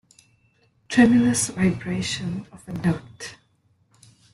Tremulous vibration of a note.